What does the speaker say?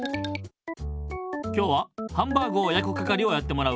今日はハンバーグをやくかかりをやってもらう。